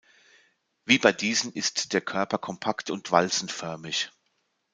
Wie bei diesen ist der Körper kompakt und walzenförmig.